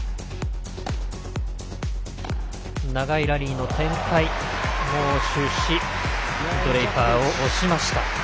長いラリーの展開も終始ドレイパーを押しました。